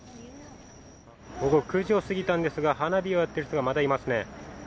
午後９時を過ぎたんですが、花火をやっている人がまだいますね。